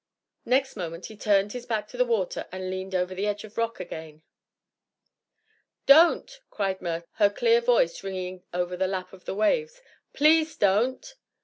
Next moment he turned back to the water and leaned over the edge of rock again. "Don't!" cried Myrtle, her clear voice ringing over the lap of the waves; "please don't!"